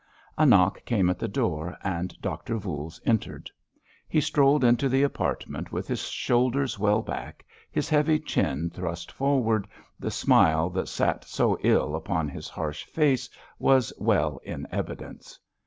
A knock came at the door, and Doctor Voules entered. He strolled into the apartment with his shoulders well back, his heavy chin thrust forward, the smile that sat so ill upon his harsh face was well in evidence.